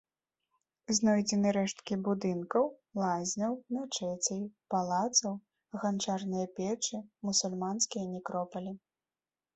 Знойдзены рэшткі будынкаў, лазняў, мячэцей, палацаў, ганчарныя печы, мусульманскія некропалі.